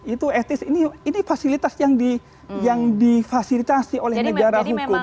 itu etis ini fasilitas yang difasilitasi oleh negara hukum